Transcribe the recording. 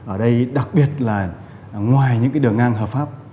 ở đây đặc biệt là ngoài những cái đường ngang hợp pháp